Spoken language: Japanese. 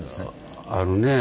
あるねえ。